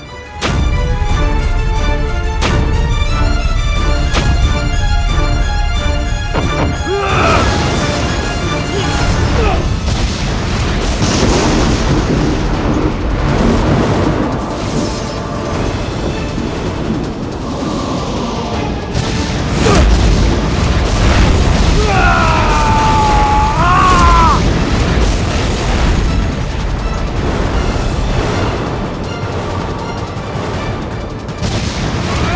bukan untuk kebaikan